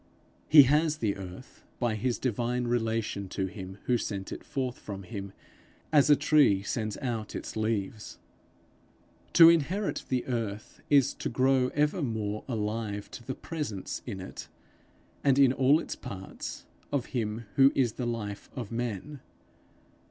He has the earth by his divine relation to him who sent it forth from him as a tree sends out its leaves. To inherit the earth is to grow ever more alive to the presence, in it and in all its parts, of him who is the life of men.